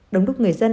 đồng đúc người dân